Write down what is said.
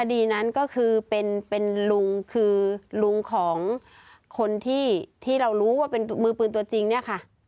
ดีนั้นก็คือเป็นลุงคือลุงของคนที่ที่เรารู้ว่าเป็นมือปืนตัวจริงเนี่ยค่ะ